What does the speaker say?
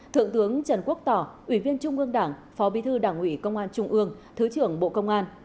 thượng tướng trần quốc tỏ ủy viên trung ương đảng phó bí thư đảng ủy công an trung ương thứ trưởng bộ công an